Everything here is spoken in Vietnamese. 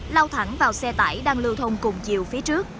lao thẳng vào xe tải đang lưu thông cùng chiều phía trước